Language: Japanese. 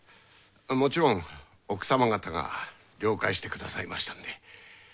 もちろん奥様方が了解してくださいましたので。